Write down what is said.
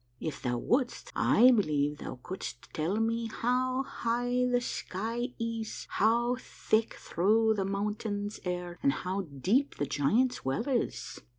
If thou wouldst, I believe thou couldst tell me how high the sky is, how thick through the mountains are, and how deep the Giants' Well is."